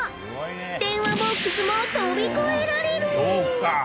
電話ボックスも飛び越えられる！